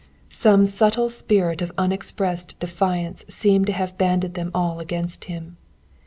Some subtle spirit of unexpressed defiance seemed to have banded them all against him.